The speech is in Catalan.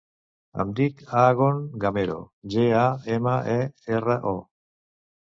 Em dic Aaron Gamero: ge, a, ema, e, erra, o.